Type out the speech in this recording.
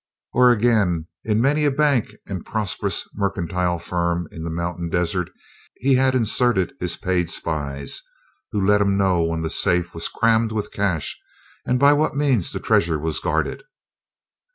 Or, again, in many a bank and prosperous mercantile firm in the mountain desert he had inserted his paid spies, who let him know when the safe was crammed with cash and by what means the treasure was guarded.